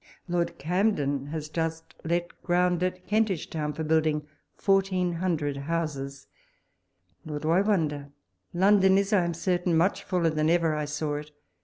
Lord Camden has just let ground at Kentish Town for building fourteen hundred houses — nor do I wonder ; London is, I am certain, much fuller than ever I saw it.